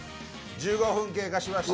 １５分経過しました。